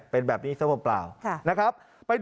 เป็นแบบนี้ซะเปล่านะครับ